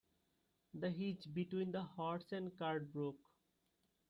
The hitch between the horse and cart broke.